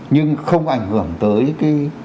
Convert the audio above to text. nhưng không ảnh hưởng tới